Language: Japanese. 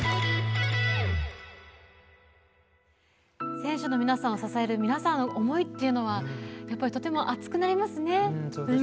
選手の皆さんを支える皆さんの思いっていうのはやっぱり、とても熱くなりますね。